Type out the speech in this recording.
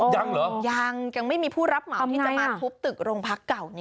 ยังเหรอยังยังไม่มีผู้รับเหมาที่จะมาทุบตึกโรงพักเก่านี้